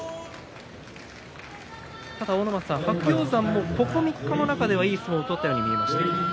ただ白鷹山もここ３日の中ではいい相撲を取ったように見えました。